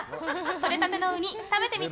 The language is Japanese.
とれたてのウニ、食べてみて！